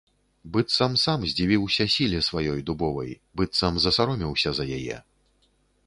Быццам сам здзівіўся сіле сваёй дубовай, быццам засаромеўся за яе.